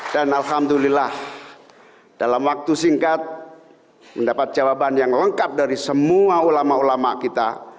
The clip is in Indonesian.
dan alhamdulillah dalam waktu singkat mendapat jawaban yang lengkap dari semua ulama ulama kita